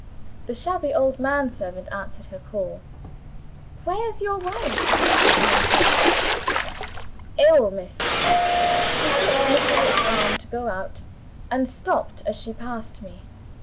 The shabby old man servant answered her call. 'Where's your wife?' she inquired. 'Ill, miss.' She took Mr. Rook's arm to go out, and stopped as she passed me.